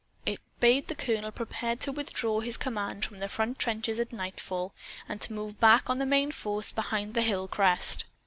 It bade the colonel prepare to withdraw his command from the front trenches at nightfall, and to move back on the main force behind the hill crest.